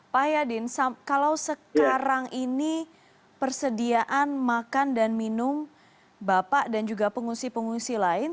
pak yadin kalau sekarang ini persediaan makan dan minum bapak dan juga pengungsi pengungsi lain